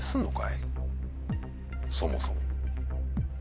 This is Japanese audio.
そもそも。